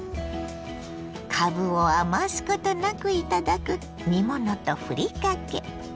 かぶを余すことなくいただく煮物とふりかけ。